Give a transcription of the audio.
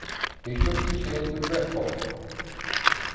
He shook his head regretfully.